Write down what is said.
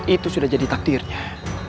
itu sudah jadi takdirnya